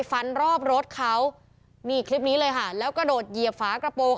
ฟันรอบรถเขานี่คลิปนี้เลยค่ะแล้วกระโดดเหยียบฝากระโปรง